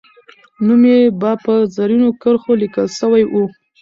نوم یې به په زرینو کرښو لیکل سوی وو.